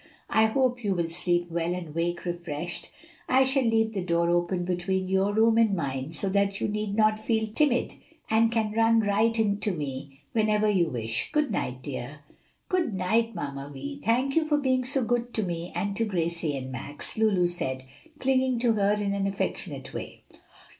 "I hope you will sleep well and wake refreshed. I shall leave the door open between your room and mine, so that you need not feel timid, and can run right in to me whenever you wish. Good night, dear." "Good night, Mamma Vi. Thank you for being so good to me, and to Gracie and Max," Lulu said, clinging to her in an affectionate way.